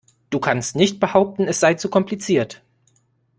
Du kannst nicht behaupten, es sei zu kompliziert.